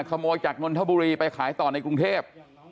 ขโมยจากนนทบุรีไปขายต่อในกรุงเทพ